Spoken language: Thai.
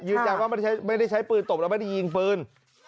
ว่าไม่ได้ใช้ปืนตบแล้วไม่ได้ยิงปืน